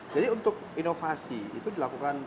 jadi untuk inovasi itu dilakukan